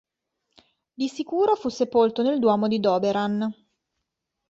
Di sicuro fu sepolto nel duomo di Doberan.